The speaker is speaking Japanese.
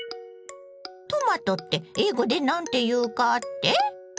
トマトって英語で何ていうかって？